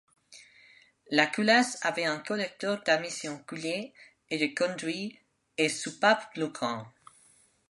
La culasse avait un collecteur d’admission coulé et des conduits et soupapes plus grands.